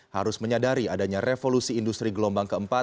harus menyadari adanya revolusi industri gelombang ke empat